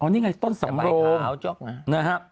นี่ไงต้นสำโรง